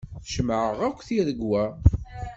Cemɛeɣ-ak tiregwa.